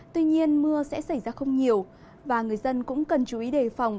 tuy nhiên mưa sẽ xảy ra không nhiều và người dân cũng cần chú ý đề phòng